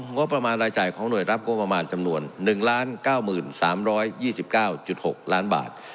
งบประมาณรายจ่ายของหน่วยรับงบประมาณจำนวน๑๙๓๒๙๖ล้านบาท